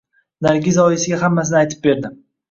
Nargiza oyisiga hammasini aytib berdi